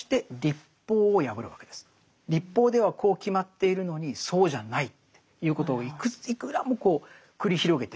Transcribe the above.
律法ではこう決まっているのにそうじゃないっていうことをいくらも繰り広げてきました。